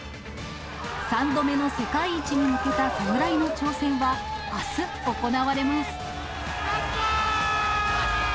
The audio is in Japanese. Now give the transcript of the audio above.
３度目の世界一に向けた侍の挑戦は、あす行われます。